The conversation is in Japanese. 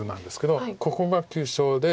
ここが急所で。